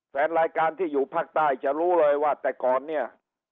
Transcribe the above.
แฟนรายการที่อยู่ภาคใต้จะรู้เลยว่าแต่ก่อนเนี่ย